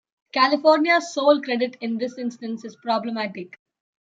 California's sole credit in this instance is problematic.